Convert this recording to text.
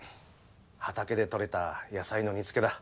畑でとれた野菜の煮付けだ。